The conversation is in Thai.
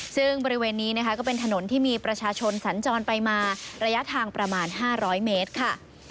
ซึ่งบริเวณนี้นะคะก็เป็นถนนที่มีประชาชนสัญจรไปมาระยะทางประมาณ๕๐๐เมตรค่ะ